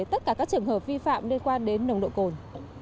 tất cả các trường hợp vi phạm liên quan đến nồng độ cồn